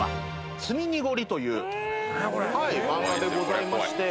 『住みにごり』という漫画でございまして。